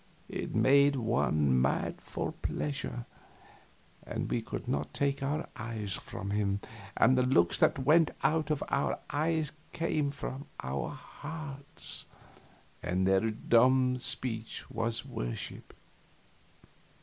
It made one mad, for pleasure; and we could not take our eyes from him, and the looks that went out of our eyes came from our hearts, and their dumb speech was worship.